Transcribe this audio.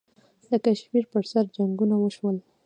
د کشمیر پر سر جنګونه وشول.